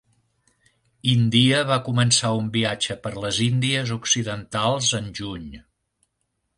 India va començar un viatge per les Índies occidentals en juny.